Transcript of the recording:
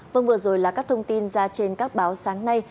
vâng vừa rồi là các thông tin ra trên các báo sáng nay